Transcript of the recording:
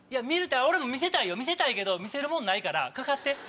俺も見せたいよ見せたいけど見せるもんないからかかって。